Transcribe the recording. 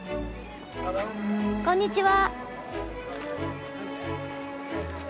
こんにちは。